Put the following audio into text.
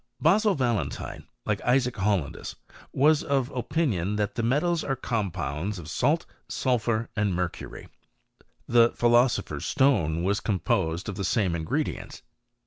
/ Basil Valentine, like Isaac HoUandus, was of opi^. ilion that the metals are compounds of salt, sulphufl and mercury. The philosopher's stone was composes of the same ingredients.